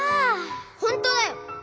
ほんとだよ！